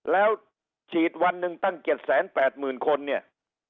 แล้วฉีดวันหนึ่งตั้ง๗๘๐๐๐คนเนี่ย